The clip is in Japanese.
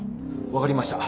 わかりました。